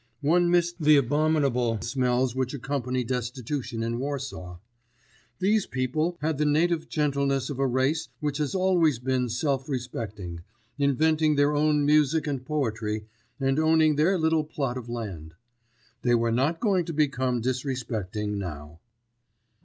One missed the abominable smells which accompany destitution in Warsaw. These people had the native gentleness of a race which has always been self respecting, inventing their own music and poetry, and owning their little plot of land. They were not going to become disrespecting now.